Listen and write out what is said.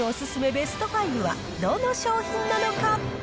ベスト５はどの商品なのか。